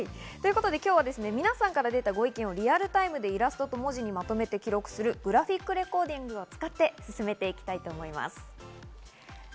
今日は皆さんから出たご意見をリアルタイムでイラストと文字にまとめて記録するグラフィックレコーディングを使って進めていきます。